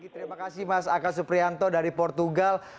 terima kasih mas aka suprianto dari portugal